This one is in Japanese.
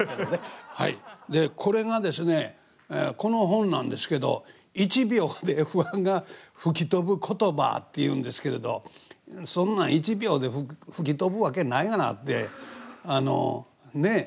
でこれがですねこの本なんですけど「１秒で不安が吹き飛ぶ言葉」っていうんですけれどそんなん１秒で吹き飛ぶわけないがなってねっ。